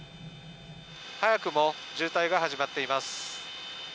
早くも渋滞が始まっています。